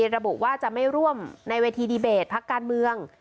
ระบุว่าจะไม่ร่วมในเวทีดีเบตพักการเมือง